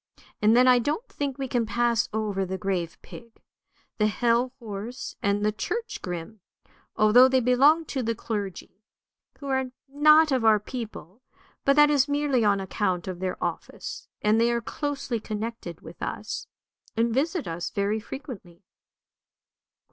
And then I don't think we can pass over the grave pig, 2 the hell horse, and the church grim, although they belong to the clergy, who are not of our people; but that is merely on account of their office, and they are closely connected with us, and visit us very frequently."